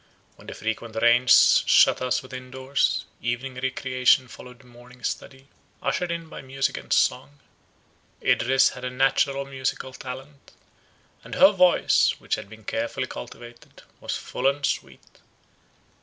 When the frequent rains shut us within doors, evening recreation followed morning study, ushered in by music and song. Idris had a natural musical talent; and her voice, which had been carefully cultivated, was full and sweet.